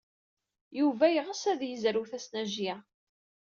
Yuba yeɣs ad yezrew tasnajya.